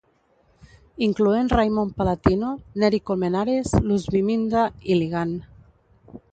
Incloent Raymond Palatino, Neri Colmenares, Luzviminda Iligan.